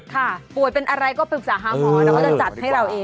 ค่ะป่วยเป็นอะไรก็ปรึกษาหาหมอแล้วก็จะจัดให้เราเอง